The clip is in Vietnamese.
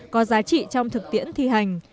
có giá trị trong thực tiễn thi hành